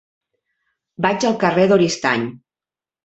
Vaig al carrer d'Oristany.